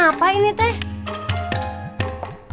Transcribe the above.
aku taking a burger ke dasar